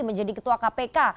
menjadi ketua kpk